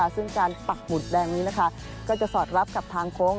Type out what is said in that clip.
ซึ่งการปักหมุดแดงนี้ก็จะสอดรับกับทางโค้ง